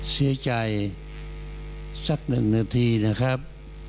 เสียใจสักหนึ่งนาทีนะครับ